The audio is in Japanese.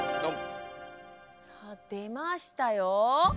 さあ出ましたよ。